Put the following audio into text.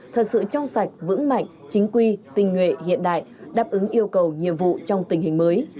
thật sự trong sạch vững mạnh chính quy tình nguyện hiện đại đáp ứng yêu cầu nhiệm vụ trong tình hình mới